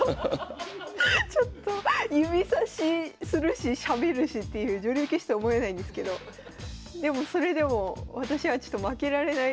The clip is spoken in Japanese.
指さしするししゃべるしっていう女流棋士とは思えないんですけどでもそれでも私は負けられない。